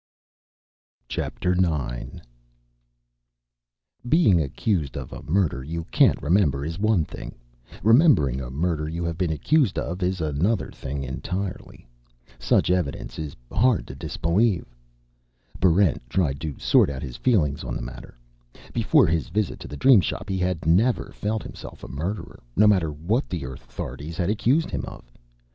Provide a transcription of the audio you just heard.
Chapter Nine Being accused of a murder you can't remember is one thing; remembering a murder you have been accused of is another thing entirely. Such evidence is hard to disbelieve. Barrent tried to sort out his feelings on the matter. Before his visit to the Dream Shop he had never felt himself a murderer, no matter what the Earth authorities had accused him of.